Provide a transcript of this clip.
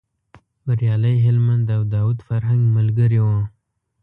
بریالی هلمند او داود فرهنګ ملګري و.